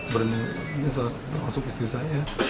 mungkin termasuk istri saya